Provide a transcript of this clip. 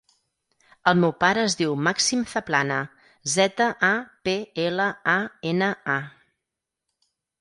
El meu pare es diu Màxim Zaplana: zeta, a, pe, ela, a, ena, a.